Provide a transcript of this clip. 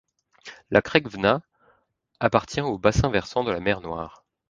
La Crkvena appartient au bassin versant de la mer Noire.